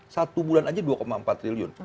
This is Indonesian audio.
satu bulan aja dua empat triliun